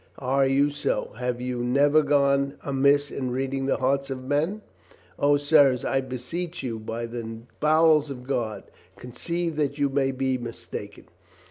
"Are you so? Have you never gone amiss in read ing the hearts of men ? O, sirs, I beseech you by the bowels of God, conceive that you may be mistaken